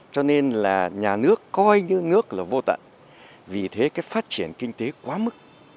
cho nên là nhà nước coi những nước là vô tận vì thế cái phát triển kinh tế quá mức